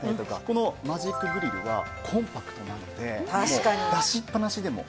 このマジックグリルはコンパクトなので出しっぱなしでも。